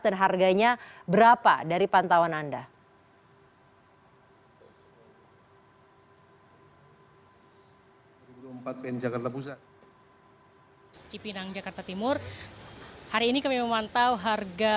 dan harganya berapa dari pantauan anda